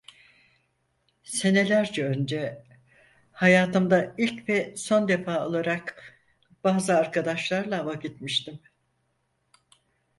Senelerce önce, hayatımda ilk ve son defa olarak, bazı arkadaşlarla ava gitmiştim.